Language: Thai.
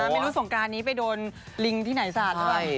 ไม่รู้ส่งการนี้ไปโดนลิงที่ไหนซะ